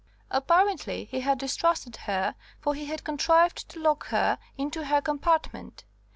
Apparently he had distrusted her, for he had contrived to lock her into her compartment.